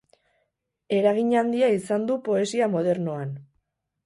Eragin handia izan du poesia modernoan.